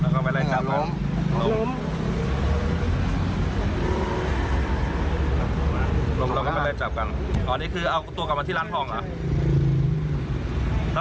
หลงใจกันอ่ะนี่คือเอาคำตัวกลับมาที่ร้านพองหรอ